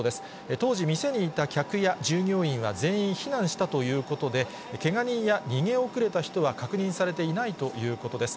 当時、店にいた客や従業員は全員避難したということで、けが人や逃げ遅れた人は確認されていないということです。